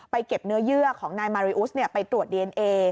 เก็บเนื้อเยื่อของนายมาริอุสไปตรวจดีเอนเอ